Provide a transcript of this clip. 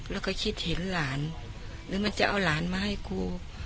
แล้วก็คิดเห็นหลานแล้วมันจะเอาหลานมาให้ครู